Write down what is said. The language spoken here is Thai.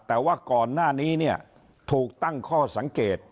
แต่ว่าก่อนหน้านี้เนี่ยถูกตั้งข้อสังเกต